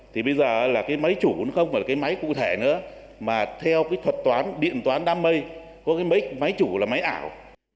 thì bây giờ là cái máy chủ vốn không phải cái máy cụ thể nữa mà theo cái thuật toán điện toán đám mây có cái máy chủ là máy ảo